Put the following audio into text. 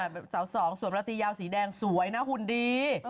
เป็นสาวสองส่วนประตียาวสีแดงสวยหน้าหุ่นดี